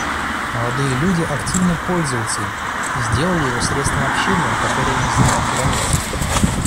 Молодые люди активно пользуются им и сделали его средством общения, которое не знает границ.